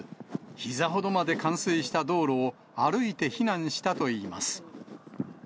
ひざほどまで冠水した道路を、歩いて避難したといいます。